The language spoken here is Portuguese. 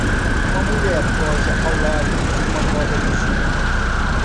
Uma mulher posa ao lado de uma roda de giro.